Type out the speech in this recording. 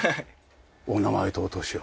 お名前とお年を。